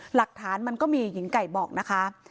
หลักฐานมันก็มีหญิงไก่บอกนะคะ